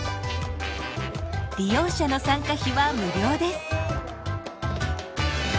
利用者の参加費は無料です。